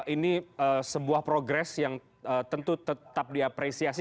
ini sebuah progres yang tentu tetap diapresiasi